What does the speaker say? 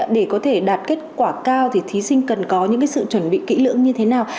để có thể đạt kết quả cao thì thí sinh cần có những sự chuẩn bị kỹ lưỡng như thế nào